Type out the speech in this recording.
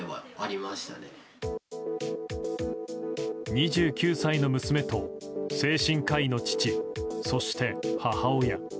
２９歳の娘と精神科医の父そして母親。